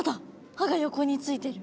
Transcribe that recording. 歯が横についてる。